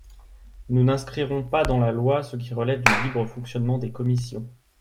Nous n’inscrirons pas dans la loi ce qui relève du libre fonctionnement des commissions.